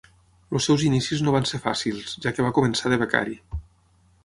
Els seus inicis no van ser fàcils, ja que va començar de becari.